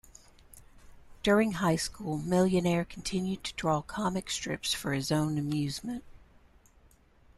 During high school Millionaire continued to draw comic strips for his own amusement.